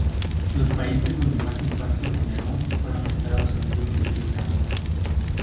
Los países donde más impacto generó fueron Estados Unidos y Suiza.